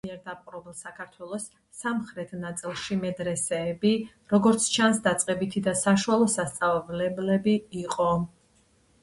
თურქების მიერ დაპყრობილ საქართველოს სამხრეთ ნაწილში მედრესეები, როგორც ჩანს, დაწყებითი და საშუალო სასწავლებლები იყო.